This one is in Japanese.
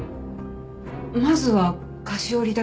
まずは菓子折りだけで。